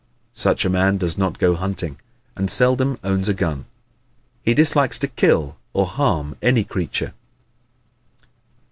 Such a man does not go hunting and seldom owns a gun. He dislikes to kill or harm any creature.